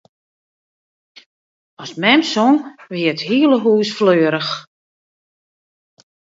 As mem song, wie it hiele hús fleurich.